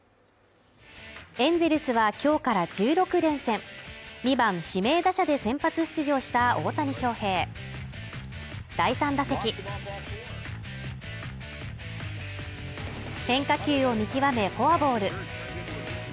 エンゼルスは今日から１６連戦２番指名打者で先発出場した大谷翔平第３打席変化球を見極めフォアボール